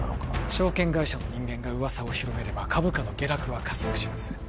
証券会社の人間が噂を広めれば株価の下落は加速します